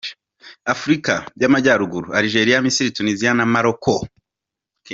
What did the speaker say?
Afurika y’Amajyaruguru: Algeria, Misiri, Tunisia na Morocco.